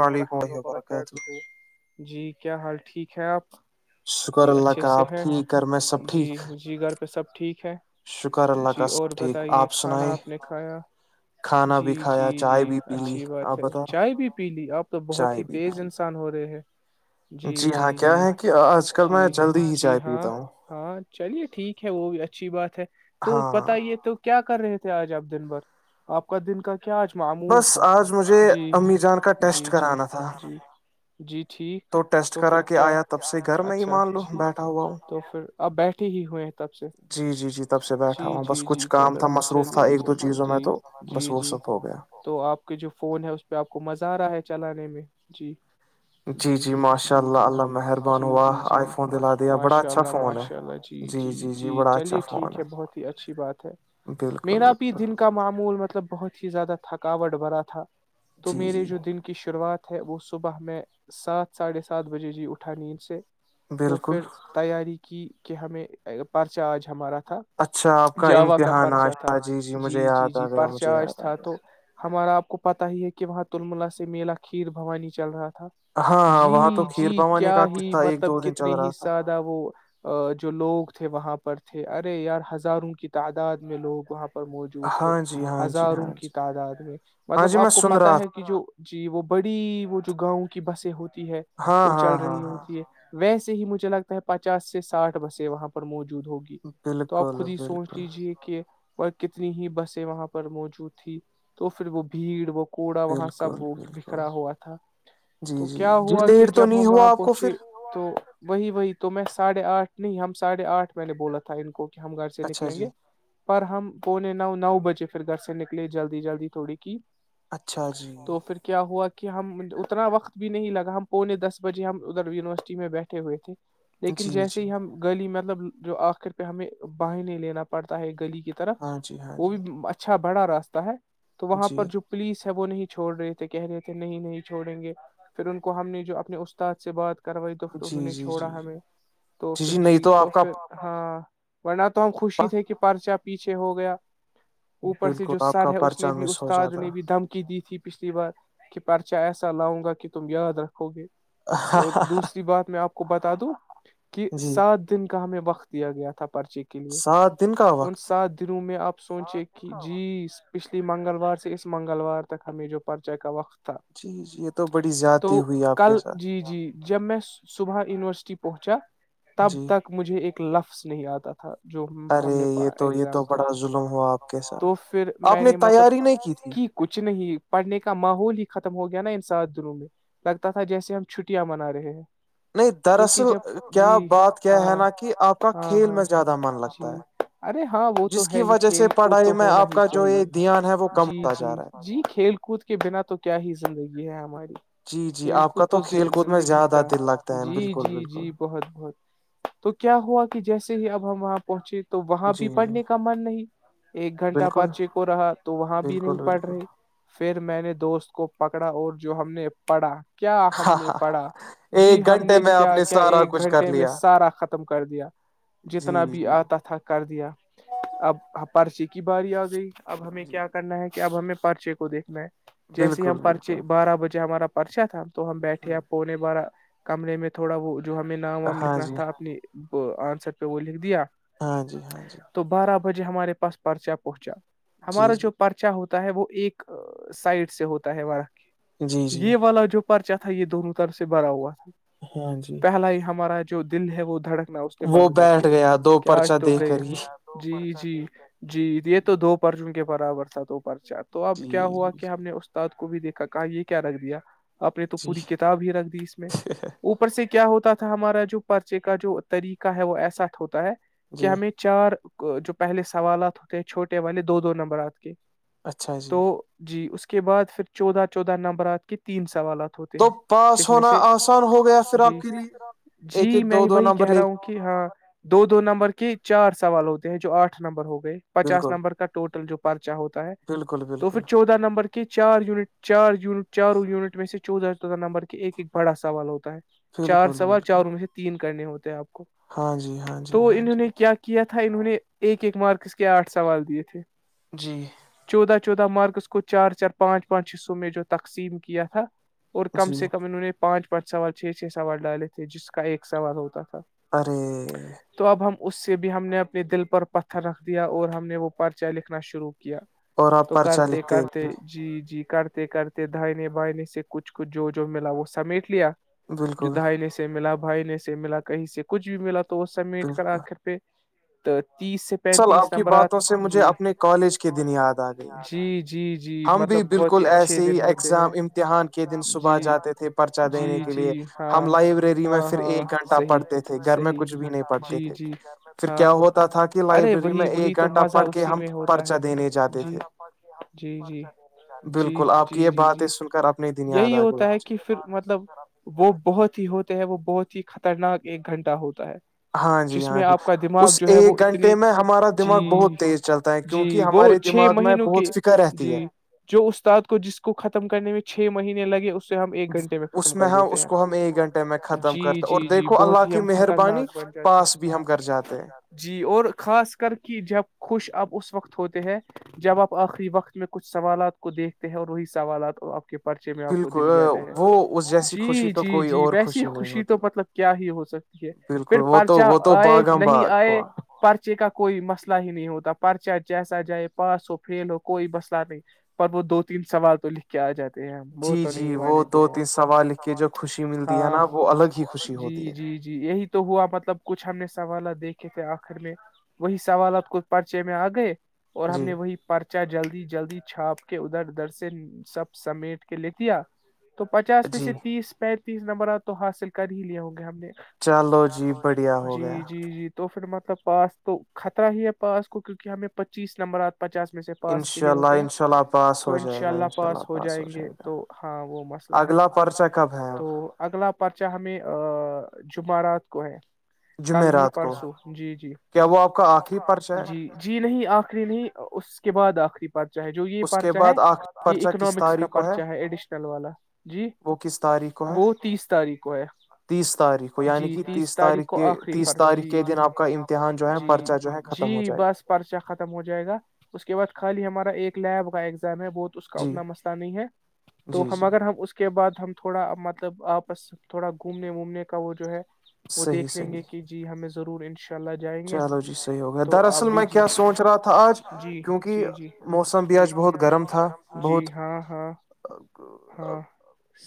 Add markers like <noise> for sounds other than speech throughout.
وعلیکم ال اللہ و برکات وبرکاتہ ہو جی کیا حال ٹھیک ہے آپ شکر جی اللہ اچھے کاال سے آپ ہیں ٹھیک کر میں سب جی ٹھیک جی گھر پہ سب ٹھیک شکر اللہ جی کا اور سب ٹھیک بتائیے آپ کھانا سنائے آپ نے کھایا کھانا جی بھی کھایا جی چائے جی بھی پی لی اچھی بات آپ ہے بتاؤ چائے بھی پیلی آپ تو بہت چائے ہی بھی پی تیز لی انسان ہو رہے ہیں جی جی ہاں کیا جی ہے کہ آج کل میں جی جلدی ہی جی چائے ہاں پیتا ہوں ہاں چلیے ٹھیک ہے وہ بھی اچھی بات ہے تو ہاں پت ہی تو کیا کر رہے تھے آج آپ دن بھر آپ کا دن کا کیا کیا اج معمول بس تھا آج مجھے جی امی جان کا جی ٹیسٹ جی کرانا تھا جی جی ٹھیک ٹیسٹ تو کرا پھر کے کیا آیا تب سے گھر میں ہی اچھا مان لو جی بیٹھا ہوا ہوں تو پھر آپ بیٹھے ہی ہوئے ہیں تب سے جی جی جی تب سے بیٹھا جی ہوں بس جی کچھ جی کام چلو تھا مصروف تھا چلیے ایک دو چلیے چیزوں میں جی تو بس جی وہ جی سب ہو گیا تو آپ کے جو فون ہے اس پہ آپ مزہ آ رہا ہے چلانے میں جی جی جی ماشاء جی اللہ جی اللہ مہربان ہوا جی جی آئی فون دلا دیا بڑا ماشاء اچھا اللہ فون ماشاء اللہ جی ہے جی جی بڑا اچھا چلیے فون ٹھیک ہے بہت ہی اچھی بات ہے بالکل میرا بھی بالکل دن کا معمول مطلب بہت ہی زیادہ تھکاوٹ بھرا تھا تو جی میرے جی جو دن کی شروعات تھ وہ صبح میں سات ساڑھے سات بجے جی اٹھا نیند سے تو بالکل پھر تیاری کہ کہ ہمیں پرچہ آج ہمارا تھا اچھا آپ جاوا کا امتحان پرچا تھا آشا مجھے جی جی یاد جی آ گیا پرچہ مجھے آست یاد آ تھا تو ہماراپ کو پتا ہی ہے کہ کہ وہاں تلملا سے میلا کھیر بھوانی چل رہا گیا ہاں ہاں جی وہاں تو کھیر جی بھوانی کیا کا ہی قصہ ایک دو مطلب دن کتنے چل ہی رہا تھا سادہ وہ جو لوگ تھے وہاں پر تھے ارے یار ہزاروں کی تعداد میں لوگ وہاں پر موجود تھے ہاں جی ہاں جی ہزاروں ہاں کی جی تعداد میں ہاں مطلب جی میں اب سن پتا رہا ہے کہ جو جی وہ بڑی بی وہ جو گاؤں کی بسیں ہوتی ہے تھا ہاں وہ ہاں چل ہاں رہی ہاں ہوتی ہے ویسے ہی مجھے لگتا ہے پچاس سے سٹھ بسیں وہاں پر موجود مج ہوگی تو آپ بالکل خود ہی سوچ بالکل لیجیے کہ اور کتنی ہی بسیں وہاں پر موجود تھی تو پھر وہ بھیڑ وہ کوڑا وہاں بالکل سب وہ بالکل بکھرا ہوا تھا جی تو جی کیا جی ہوا کہ لیٹ تو جب نہیں ہم ہوا وہاں آپ کو پہنچے پھر تو وہی وہی تو میں ساھے آٹھ نہیں ہم سڑھے آٹھ میں نے بولا تھا ان کو ہم گھر سے اچھا نکلیں جی گے پر ہم پونے نو نو بجے پھر گھر سے نکلے جلدی جلدی تھوڑی کی اچھا جی تو پھر کیا ہوا کہ ہم اتنا وقت بھی نہیں لگا ہم پونے دس بجے ہم ادھر یونیورسٹی میں بیٹھے ہوئے تھے لیکن جی جیسے جی ہی ہم گلی میں مطلب جو آخر پہ ہمیں باہنے لینا پڑتا ہے گلی کی طرف ہاں جی ہاں وہ جی بھی اچھا اچھا بڑا راستہ ہے تو وہاں جی پر جو پولیس ہے وہ نہیں چھوڑ رہے تھے کہہ رہے تھے نہیں چھوڑیں گے پھر ان کو ہم نے جو اپنے استاد سے بات کروائی تو پھر انہوں جی جی نے جی چھوڑا جی ہمیں تو پھر جی تو پھر ہاں وہن آپ توت خوی ت تھک کہ پرچپ پیچھے ہو گیا اوپر سے جو بالکل آپ سر کا ہے اس نے پرچہ بھی مس ہو استاد جاتا نے بھی دم تھی پچھلی بار کہ پرچا ایسا لاؤں گا کہ تم یاد رکھو گے اور دوسری بات میں آپ کو بتا ک تو کہ جی سات دن کی ہمیں وقت دیا گیا تھا پرچے کے لیے سات دن کا ان وقت سات دنوں میں آپ سوچے کہ جی پچھلی منگلوار سے اس منگلوار تک ہمیں جو پرچے کا وقت تھا جی جی یہ تو بڑی زیادتی تو ہوئی آپ کے کل ساتھ جی جی جب میں صبح یونیورسٹی پہنچا تب جی تک مجھے ایک لفظ نہیں آتا تھا جو ہم ارے نے یہ تو یہ تو ایگزام تھا بڑا ظلم ہوا آپ کے تو ساتھ پھر آپ میں نے مطلب تیاری نہیں کی تھی کہ کچھ نہیں پڑھنے کا ماحول ہی ختم ہو گیا نا ان سات دنوں میں لگتا تھا جیسے ہم چھٹیاں منا رہے ہیں نہیں کیونکہ دراصل جب کیا جی بات کیا ہاں ہے نا کہ آپ کا ہاں کھیل ہاں میں زیادہ من جی لگتا ہے ارے ہاں وہ تو جس کی ہے ہی وجہ سے کھیل کود پڑھائی تو میں ہونا آپ ہی کا جو یہ چاہیے دھیان ہے وہ کم جی ہوتا جا جی رہا ہے جی کھیل کود کے بنا تو کیا ہی زندگی ہے ہماری جی جی کھیل آپ کود کا تو کھیل کود میں زندگی زیادہ کا دل لگتا ہے جی بالکل جی بالکل جی بہت بہت تو کیا ہوا کہ جیسے سے ہی اب ہم وہاں پہنچے تو وہاں جی بھی جی پڑھنے کا من نہیں ایک گھنٹہ بالکل پرچے کو رہا تو وہاں بھی بالکل نہیں پڑھ بالکل رہے پھر میں نے دوست کو پکڑا اور جو ہم نے پڑا کیا ہم نے پڑھا جی ایک ہم گھنٹے نے میں آپ کیا کیا سارا ایک کچھ کر گھنٹے میں لیا سارا ختم کر دیا جی جتنا بھی جی آتا تھا کر دیا اب پرچی کی باری آ گئی اب ہمیں جی کیا کرنا ہے کہ اب ہمیں پرچے کو دیکھنا ہے جیسے بالکل ہم بالکل پرچے بارہ بجے ہمارا پرچا تھا تو ہم بیٹھے ہوں آپ پونے بارہ کمرے میں تھوڑا وہ جو ہمیں نام وام ہاں لکھنا جی تھا اپنی وہ آنسر پہ وہ لکھ دیا ہاں جی ہاں جی وج ہمارے پاس پرچہ پہنچا جی ہمارا جی جو پرچا ہوتا تاہ وہ ایک سائڈ سے ہوتا ہے جی جی یہ والا جو پرچا تھا یہ دونوں طرف سے براا ہاں جی پہلا ہی ہمارا جو دن ہے وہ دھڑک اس نے وہ بند کر بیٹھ دیا گیا دو کیا آج پرچہ تو دے گئے کر ہی جی جی جی جی یہ تو دو پرچوں کے برابر تھا تو پرچار تو اب کیا جی ہوا جی کہ ہم نے استاد کو بھی دیکھا کہ یہ کیا رکھ دیا آپ نے تو جی پوری کتاب ہی رکھ دی اس میں اوپر سے کیا ہوتا تھا ہمارا جو پرچے کا جو طریقہ ہے وہ ایساٹ ہوتا ہے کہ جی ہمیں چار جو پہلے سوالات ہوتے ہیں چھوٹے والے دو دو نمبرات کے اچھا جی تو جی اس کے کے بعد پھر چودہ چودہ نمبرات کے تین سو سوالات ہوتے تو ہیں پاس جس میں ہونا سے آسان ہو گیا پھر جی آپ کے لیے جی ایک ایک میں دو دو وہی نمبر کہہ لے رہا ہوں کہ ہاں دو دو نمبر کے چار سوال ہوتے ہیں جو آٹھ نمبر ہو کے۔ پچاس بالکل نمبر کا ٹوٹل جو پرچا ہوتا ہے بالکل تو پھر بالکل چودہ نمبر کے چار یونٹ چار یونٹ چاروں یونٹ میں سے چوز تو تھا نمبر کے ایک بڑا سوال ہوتا ہے چار بالکل سوال بالکل چاروں میں سے تین کرنے ہوتے ہیں آپ کو ہاں جی ہاں جی تو ہاں انہوں جی نے کیا کیا تھا تھا انہوں نے ایک ایک مارکس کے آٹھ سوال دیے تھے جی چودہ چودہ مارکس کو چار چار پانچ پانچ حصوں میں جو تقسیم کیا تھا اور کم جی سے کم انہوں نے پانچ پانچ سوال چھ چھ سوال ڈالے تھے جس کا ایک سوال ہوتا تھا ارے تو اب ہم اس سے بھی ہم نے اپنے دل پر پتھر رکھ دیا اور ہم نے وہ پرچے لکھنا شروع کیا اور آپ تو پرچہ کرتے لکھتے ہیں۔ کرتے جی جی کرتے کرتے دھائنے بائنے سے کچھ کچھ جو جو ملا وہ سمیٹ لیا ج بالکل دائینے سے ملا بھائی نے سے ملا کہیں سے کچھ بھی ملا تو تو اس سبمیٹ کر بالکل آخر پہ تو تیس سے اصل آپ پینتیس کی نمبرات باتوں سے مجھے جی اپنے کالج کے دنیا جی جی جی ہم بھی مطلب بہت بالکل ہی اچھے ایسے دن ہی ہوتے ایگزام ہیں امتحان کے دن صبح جی جاتے تھے پرچا دینے جی کے جی لیے ہم ہاں لائبریری میں ہاں پھر ہاں ایک گھنٹہ صحیح پڑھتے تھے گھر میں صحیح کچھ بھی نہیں پڑھتے جی تھے جی پھر کیا ہاں ہوتا تھا کہ ارے لائبریری میں وہی ایک گھنٹہ پڑھ کے ہم پرچہ دینے جا جھنڈا پ کے آپ جی جی بالکل جی آپ جی کی یہ جی جی باتیں سن کر اپنے دن یاد یہی آ گئے ہوتا ہے مجھے۔ کہ پھر مطلب وہ بہت ہی ہوتا وہ بہت ہی خطرناک ایک گھنٹہ ہوتا ہے ہاں جی جس ہاں میں جی آپ کا دماغ اس جو ہے وہ ایک گھنٹے اتنی میں ہمارا جی دماغ بہت تیز چلتا ہے جی کیونکہ وہ ہمارے چھ دماغ میں مہینوں کے بہت فکر رہتی ہے جی جو استاد کو جس کو ختم کرنے میں چھ م مہنے لگے اس ہم ایک گھنٹے میں اس ختم کر ہم دیتے اس ہیں کو ہم ایک گھنٹے میں ختم جی کرتے اور جی جی دیکھو بہت اللہ ہی کی ہم مہربانی خطرناک بن جاتے پاس بھی ہم کر جاتے ہیں جی اور خاص کر کے جب خوش اب اس وقت ہوتے ہیں جب آپ آخری وقت میں کچھ سوالات کو دیکھتے ہیں اور وہی سوالات اور آپ کے پ پرچے میں آپ کو دکھ بالکل جاتے ہیں وہ اس جیسی خوشی جی تو جی کوئی جی اور ویسی نہیں خوشی تو ہوتی مطلب کیا ہی ہو سکتی ہے بالکل پھر وہ تو پرچا وہ تو آئے باغم نہیں باغ آئے ہوا پرچے کا کوئی مسئلہ ہی نہیں ہوتا پرچہ جیسا جائے پاس ہو فیل ہو کوئی مسئلہ نہیں پر وہ دو تین سوال تو لکھ کے آ جاتے وہ جی تو نہیں جی وہ مانتے دو ہیں تین سوال لکھ کے جو خوشی ملتی ہے ہاں نا وہ الگ ہی خوشی ہوتی جی ہے جی جی یہی تو ہوا مطلب کچھ ہم نے سوالات دیکھے تھے آخر میں وہی سوالات کو پرچے میں آ گئے اور ہم جی نے وہی پرچا جلدی جلدی چھاپ کے ادھر ادھر سے سب سمیٹ کے لے کیایا تو پچاس میں جی سے تیس پیر تیس نمبر آ تو حاصل کر ہی لے ہوں گے ہم نے چلو جی بڑھیا ہو گیا مطب پاس تو خطرہ ہی ہے پاس کو کیونکہ ہم چیس نمبر آ پچاس میں سے پاس کے انشاء لیے ہوتے اللہ ہیں انشاء اللہ پاس تو ہو ان جائے شاء گا اللہ انشاء پاس ہو جائیں گے جائے گا تو ہاں وہ مسئلہ اگلا پرچہ کب ہے ہےگچ اب تو اگلا پرچہ ہمیں جمعرات کو ہے کل نہیں جمعرات کو پرسوں جی جی کیا وہ آپ کا آخری پرچہ ہے جی جی نہیں ری نہیں اس کے بعد آخری چا ہے جو یہ اس کے پرچا ہے بعد آخری یہ پرچہ کس اکنامکس کا تاریخ کو پرچا ہے ایڈیشنل والا جی وہ کس تاریخ کو ہے وہ تیس تاریخ کو ہے تیس تاریخ کو یعنی جی کہ تیس تاریخ کو کے آخری تیس فرق تاریخ جی کے دن آپ کا امتحان جو ہے جی پرچہ جو ہے ختم ہو جی جائے گا۔ بس پرچا ختم ہو جائے گا اس کے بعد خالی ہمارا ایک لیب کا ایگزام ہے وہہت اس کا جی اتنا مسئلہ نہیں ہے تو جی ہم جی اگر ہم اس کے بعد ہم تھوڑا مطلب آپس تھوڑا گھومنے وومنے کا وہ جو ہے وہ صحیح دیکھ لیں گے صحیح کہ جی ہم ضور انش چلو جی صحیح ہو گیا دراصل بھی میں کیا جی سوچ رہا تھا آج جی کیونکہ جی جی موسم بھی جی آج بہت تھا گرم جی بہت ہاں ہاں ہاں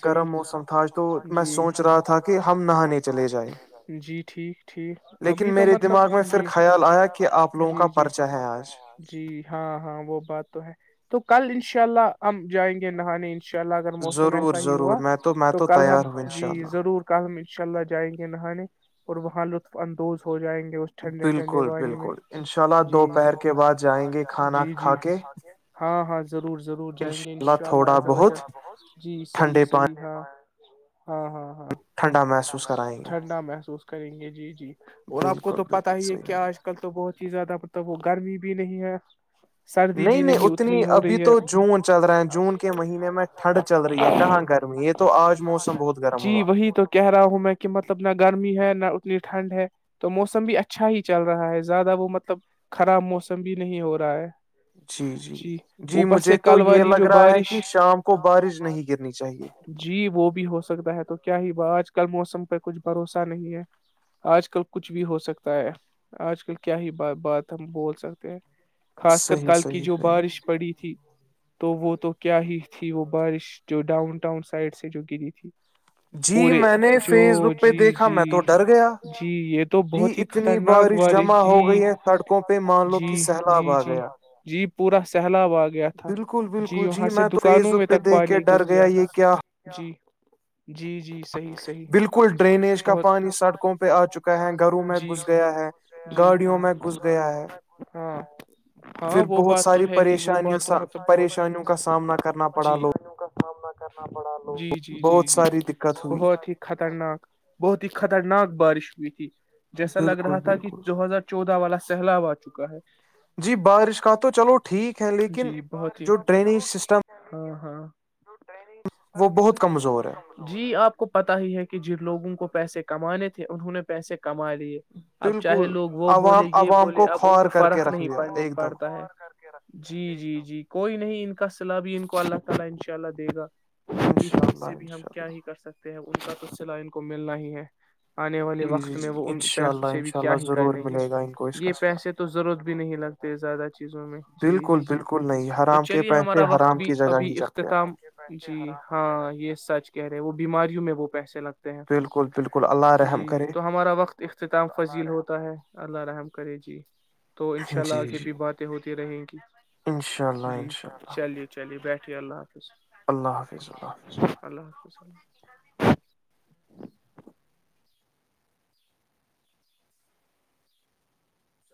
صحیح گرم موسم تھا جی میں سوچ رہا تھا کہ ہم نہانے جی ٹھیک ٹھیک لیکن ابھی تو م میرے دماغ میں پھر خیال آیا کہ آپ لووں کا جی پرچا ہے آج جی ہاں ہاں وہ بات تو ہے تو کل انشاء اللہ ہم جائیں گے نہانے ان ان شاء اللہ اگر موسم ضرور ایسا ہی ضرور ہوا میں میں تو کل ہم تیار ہوں ان جی شاء اللہ ضرور کل ہم انشاء اللہ جائیں گے نہانے اور وہاں لطف اندوز ہو جائیں گے اس ٹھنڈے ٹھنڈے بالکل پانی میں بالکل ان شاء اللہ جی دوپہر کے کے بعد جائیں گے کھانا جی کھا جی کے ہاں ہاں ضرور ضرور جائیں گے اللہ انشاء تھوڑا اللہ بہت جی صحیح ٹھنڈے پانی صحیح ہاں ہاں ہاں ہاںھ ٹھنڈا محسوس م کرائیں گے ٹھنڈا محسوس کریں گے جی جی اور آپ کو بالکل تو پتا بالکل ہی ہے صحیح ہو کیا گیا آج کل تو بہت ہی زیادہ مطلب ہو بھی نہیں ہے سردی نہیں بھی نہیں اتنی ہو ابھی رہی تو ہے جون چل رہا ہے جون کے مہینے میں ٹھنڈ چل رہی ہے کہاں گرمی یہ تو آج موسم بہت گرم جی ہوا وہی تو کہہ رہا ہوں میں کہ مطلب نہ گرمی ہے نہ اتنی ٹھنڈ ہے تو موسم بھی اچھا ہی چل رہا ہے زیادہ وہ مطلب خراب موسم بھی نہیں ہو رہا ہے جی جی جی اوپر مجھے سے تو کل یہ والی لگ جو رہا ہے بارش کہ شام کو بارش نہیں گرنی چاہیے جی وہ بھی ہو سکتا ہے تو کیا ہی بات آج کل موسم پہ کچھ بھروسہ نہیں ہے آج کل کچھ بھی ہو سکتا ہے آج کل کیا ہی بات بات تم بول سکتے ہیں خاص کر صحیح کل کی صحیح جو صحیح بارش پڑی تھی تو وہ تو کیا ہی تھی وہ بارش جو ڈاؤن ٹاؤن سائڈ سے جو گری تھی جی پورے میں نے جو فیس بک پہ جی دیکھا میں جی تو ڈر گیا جی یہ تو جی بہت ہی اتنی خطرناک بارش جمع ہو جی گئی ہے سڑکوں پہ پہ مان لو کہ جی سیلاب جی آ جی گیا جی پورا س سلاب آ گیا تھا بالکل جی بالکل وہاں سے میں تو فیس دکانوں میں بک پہ تک دیکھ کے پانی گھس ڈر گیا یہ تھا کیا جی جی جی صحیح بالکل صحیح ڈرینیج کا بہت پانی سڑکوں پہ آ چکا ہے گھروں میں جی گھس گیا ہے جی گاڑیوں ہاں میں گھس گیا ہاں ہاں پھر وہ بہت بات تو ساری ہے ہی وہ پریشانی بات تو مطلب بہت پریشانیوں کا سامنا کرنا پڑا لوگ کرنا جی جی جی بہت جی ساری دقت ہوئی بہت ہی خطرناک بہت ا خطرناک بارش ہوئی تھی جیسا لگ بالکل رہا تھا کہ بالکل دو ہزار چودہ والا سیلاب آ چکا ہے جی بارش کا تو چلو ٹھیک ہے لیکن جی بہت ہی جو ڈرینیج سسٹم ری سسٹم وہ بہت وہ کمزور ہے بہ جی آپ پتا ہی ہے کہ جن لوگوں کو پیسے کمانے تھے انہوں نے پیسے کما لیے اب چاہے بالکل لوگ وہ عوام بولے کہ عوام اب ان خوار کو کر کے فرق رکھ نہیں دیا ایک دم پڑتا ہے جی جی جی کوئی نہیں ان کا سلاح بھی ان کو اللہ تعالی ان شاء اللہ دے گا اس انشاءاللہ چیز سے بھی ہم کیا انشاءاللہ ہی کر سکتے ہیں وہ ان کا تو سلہ ان کو ملنا ہی ہے آنے والے جی جی وقت میں جی وہ ان شاء پیسوں اللہ سے بھی انشاء کیا اللہ ہی کر ضرور لیں گے ملے گا ان کو اس کا یہ صلہ پیسے تو ضرورت بھی نہیں لگتے زیادہ چیزوں میں جی بالکل جی جی بالکل نہیں تو حرام کے چلیے ہمارا پیسے وقت حرام بھی کی جگہ ہی ابھی جاتے ہیں اختتام جی ہاں یہ سچ کہہ رہے ہیں وہ بیاریوں میں وہ پیسے لگتے بالکل بالکل اللہ جی رحم کرے تو ہمارا وقت اختتام فذیل ہوتا ہے اللہ رحم کرے جی تو ان شاء اللہ جی آگ جی بھی باتیں ہوتی رہیں گی انشاءاللہ جی انشاءاللہ چلیے چلیے بیٹھ اء اللہ حافظ اللہ حافظ اللہ حافظ <unintelligible>